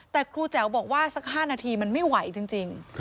แต่ครูแจ๋วบอกว่าสัก๕นาทีมันไม่ไหวจริง